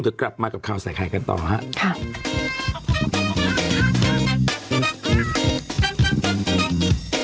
จะกลับมากับข่าวใส่ใครกันต่อครับ